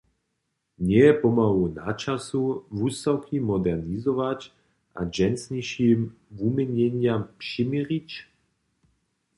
Njeje pomału načasu, wustawki modernizować a dźensnišim wuměnjenjam přiměrić?